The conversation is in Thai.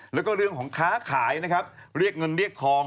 แล้วก็เรื่องของค้าขายนะครับเรียกเงินเรียกทอง